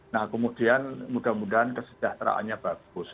nah kemudian mudah mudahan kesejahteraannya bagus